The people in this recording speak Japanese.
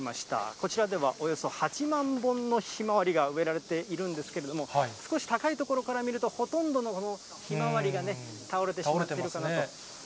こちらではおよそ８万本のひまわりが植えられているんですけれども、少し高い所から見ると、ほとんどのひまわりがね、倒れてしまっているかなと。